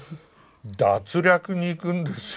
奪略に行くんですよ